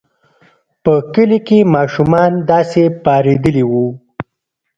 په کلي کې ماشومان داسې پارېدلي وو.